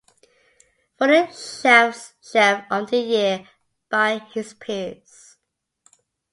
Voted Chef's Chef of the Year by his peers.